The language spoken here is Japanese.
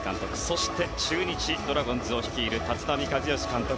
そして、中日ドラゴンズを率いる立浪和義監督。